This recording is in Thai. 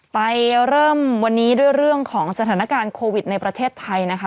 ไปเริ่มวันนี้ด้วยเรื่องของสถานการณ์โควิดในประเทศไทยนะคะ